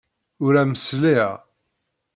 Ur am-sliɣ.